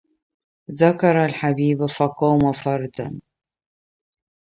ذكر الحبيب فقام فردا